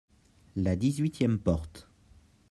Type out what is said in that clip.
la dix-huitième porte.